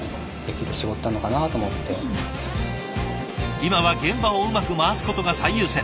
今は現場をうまく回すことが最優先。